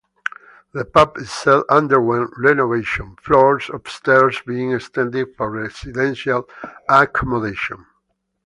The pub itself underwent renovation, floors upstairs being extended for residential accommodation.